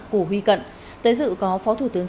của huy cận tới dự có phó thủ tướng